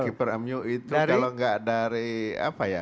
keeper mu itu kalau gak dari apa ya